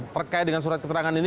terkait dengan surat keterangan ini